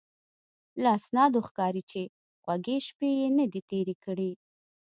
له اسنادو ښکاري چې خوږې شپې یې نه دي تېرې کړې.